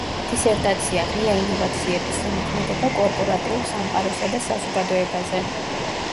დისერტაცია: ღია ინოვაციების ზემოქმედება კორპორატიულ სამყაროსა და საზოგადოებაზე.